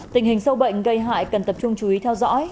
tình hình sâu bệnh gây hại cần tập trung chú ý theo dõi